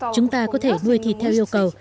chúng ta có thể nuôi thịt theo yêu cầu